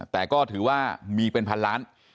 แต่ก็ถือว่ามีเป็นพันล้าน